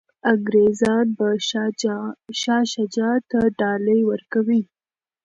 انګریزان به شاه شجاع ته ډالۍ ورکوي.